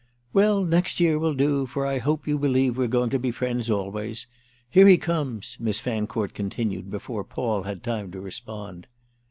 "Well, next year will do, for I hope you believe we're going to be friends always. Here he comes!" Miss Fancourt continued before Paul had time to respond.